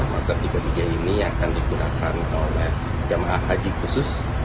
maktab tiga ratus tiga puluh tiga ini akan digunakan oleh jamaah haji khusus